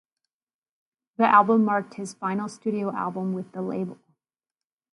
The album marked his final studio album with the label.